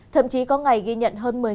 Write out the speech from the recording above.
thậm chí có ngày ghi nhận hơn